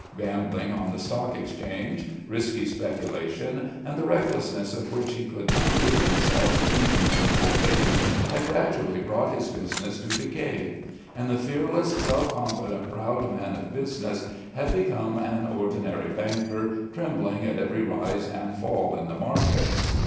Gambling on the Stock Exchange, risky speculation, and the recklessness of which he could not rid himself even in old age, had gradually brought his business to decay; and the fearless, self confident, proud man of business had become an ordinary banker, trembling at every rise and fall in the market.